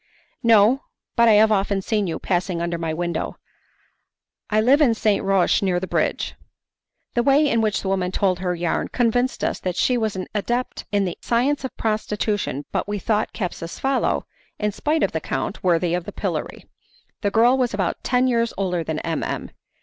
"No, but I have often seen you passing under my window. I live at St. Roch, near the bridge." The way in which the woman told her yarn convinced us that she was an adept in the science of prostitution, but we thought Capsucefalo, in spite of the count, worthy of the pillory. The girl was about ten years older than M. M.